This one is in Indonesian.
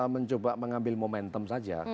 mencoba mengambil momentum saja